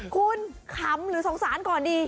คุณขำหรือสงสารก่อนดี